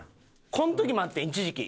この時もあって一時期。